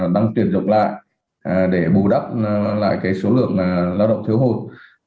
đang tuyển dụng lại để bù đắp lại số lượng lao động thiếu hụt